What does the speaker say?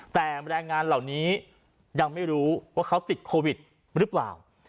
แต่แรงงานเหล่านี้ยังไม่รู้ว่าเขาติดโควิดหรือเปล่า